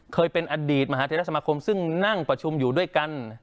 เคยเป็นอดีตมหาเทรสมาคมซึ่งนั่งประชุมอยู่ด้วยกัน